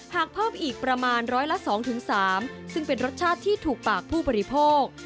หากเพิ่มอีกประมาณร้อยละ๒๓ซึ่งเป็นรสชาติที่ถูกปากผู้บริโภค